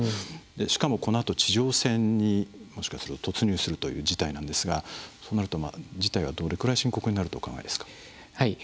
しかもこのあと地上戦にもしかすると突入するという事態なんですがそうなると事態はどれぐらい深刻になるとお考えですか？